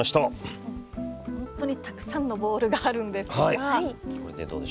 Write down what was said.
本当にたくさんのボールがあるんですが。